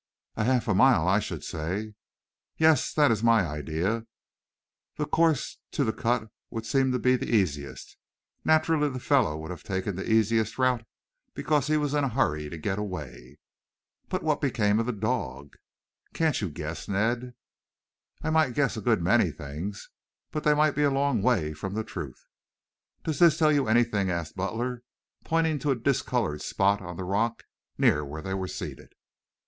"A half mile, I should say." "Yes, that is my idea. The course to the cut would seem to be the easiest. Naturally the fellow would have taken the easiest route, because he was in a hurry to get away." "But what became of the dog?" "Can't you guess, Ned?" "I might guess a good many things. But they might be a long way from the truth." "Does this tell you anything?" asked Butler, pointing to a discolored spot on the rock near where they were seated.